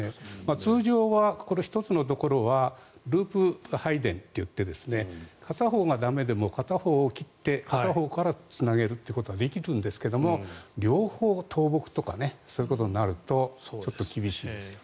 通常はこの１つのところはループ配電と言って片方が駄目でも片方を切って片方からつなげることができるんですが両方、倒木とかそういうことになるとちょっと厳しいですよね。